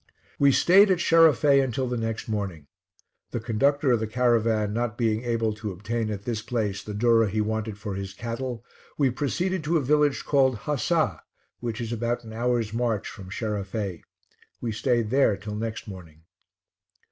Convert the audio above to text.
We stayed at Sheraffey until the next morning: the conductor of the caravan not being able to obtain at this place the durra he wanted for his cattle, we proceeded to a village called Hassah, which is about an hour's march from Sheraffey. We stayed there till next morning.